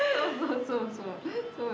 そうそう。